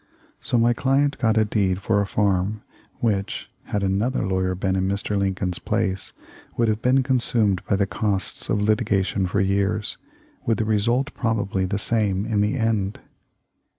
So my client got a deed for a farm which, had another lawyer been in Mr. Lincoln's place, would have been consumed by the costs of litigation for years, with the result probably the same in the end."